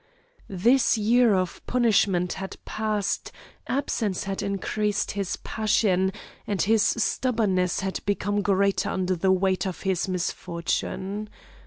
This year of punishment had passed, absence had increased his passion, and his stubbornness had become greater under the weight of his misfortune.